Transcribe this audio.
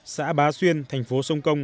xã bá xuyên thành phố sông công